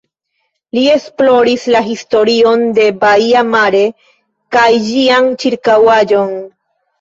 Li esploris la historion de baia Mare kaj ĝian ĉirkaŭaĵon.